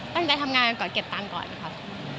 ตั้งใจทำงานก่อนเก็บตังค์ก่อนค่ะ